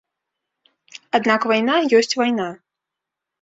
Аднак вайна ёсць вайна.